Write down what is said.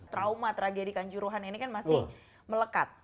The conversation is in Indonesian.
trauma tragedi kanjuruhan ini kan masih melekat